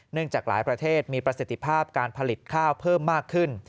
จากหลายประเทศมีประสิทธิภาพการผลิตข้าวเพิ่มมากขึ้น